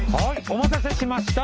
お待たせしました！